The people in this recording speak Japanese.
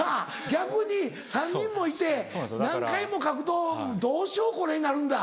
逆に３人もいて何回も描くと「どうしようこれ」になるんだ。